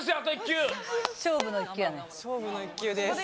勝負の１球です